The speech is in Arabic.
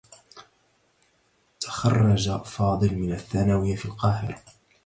تخرّج فاضل من الثّانوية في القاهرة.